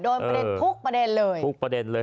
โดนประเด็นทุกประเด็นเลย